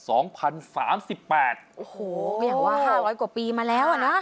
โอ้โหอย่างกว่า๕๐๐กว่าปีมาแล้วอ่ะนะ